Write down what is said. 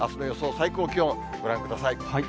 最高気温、ご覧ください。